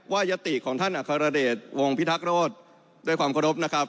ว่ายติของท่านอัครเดชวงพิทักรสด้วยความครบนะครับ